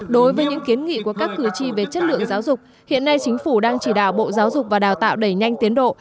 đối với những kiến nghị của các cử tri về chất lượng giáo dục hiện nay chính phủ đang chỉ đạo bộ giáo dục và đào tạo đẩy nhanh tiến độ